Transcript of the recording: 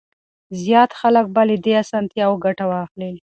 زيات خلک به له دې اسانتياوو ګټه واخلي.